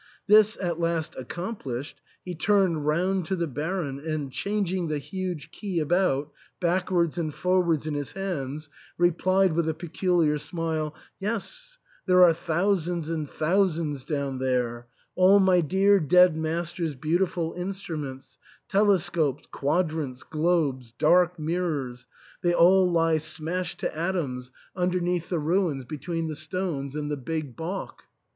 This at last accomplished, he turned round to the Baron, and, changing the huge key about backwards and forwards in his hands, replied with a peculiar smile, "Yes, there are thousands and thou sands down there — all my dear dead master's beau tiful instruments — telescopes, quadrants, globes, dark mirrors, they all lie smashed to atoms underneath the 284 T'HE ENTAIL. ruins between the stones and the big balk.